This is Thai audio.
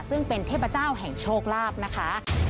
ซึ่งเป็นเทพเจ้าแห่งโชคลาภนะคะ